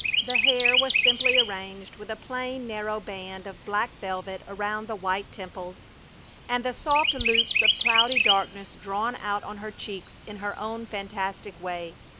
The hair was simply arranged with a plain narrow band of black velvet around the white temples, and the soft loops of cloudy darkness drawn out on her cheeks in her own fantastic way.